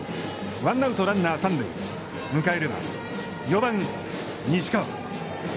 ワンアウト、ランナー三塁迎えるは、４番西川。